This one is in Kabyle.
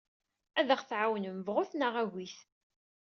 Ad aɣ-tɛawnem, bɣut neɣ agit.